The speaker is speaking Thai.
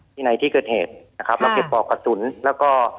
ในที่เกิดเหตุนะครับเราเก็บปอกกระสุนแล้วก็